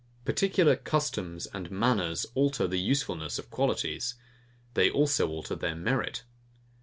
Particular customs and manners alter the usefulness of qualities: they also alter their merit.